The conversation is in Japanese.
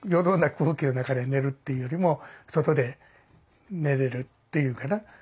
空気の中で寝るっていうよりも外で寝れるっていうんかな